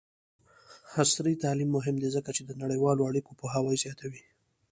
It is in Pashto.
عصري تعلیم مهم دی ځکه چې د نړیوالو اړیکو پوهاوی زیاتوي.